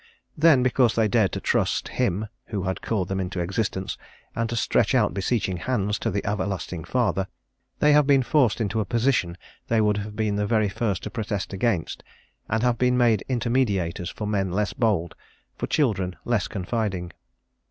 Then, because they dared to trust Him who had called them into existence, and to stretch out beseeching hands to the Everlasting Father, they have been forced into a position they would have been the very first to protest against, and have been made into mediators for men less bold, for children less confiding.